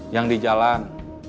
yang di jalan